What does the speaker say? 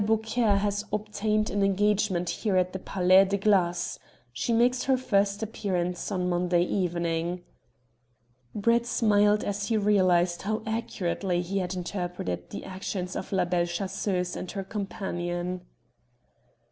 Beauclaire has obtained an engagement here at the Palais de Glâce. She makes her first appearance on Monday evening." Brett smiled as he realized how accurately he had interpreted the actions of La Belle Chasseuse and her companion.